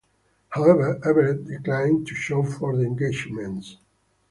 However, Everett declined to show for the engagements.